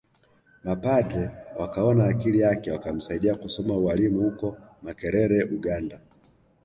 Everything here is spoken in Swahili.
Mapadre wakaona akili yake wakamsaidia kusoma ualimu uko makerere ugand